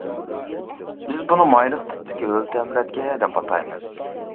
بىز بۇنى مايلىق تىپتىكى ھۆل تەمرەتكە دەپ ئاتايمىز.